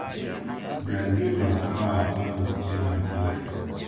brazil wakawa wa kwanza kucheza mpira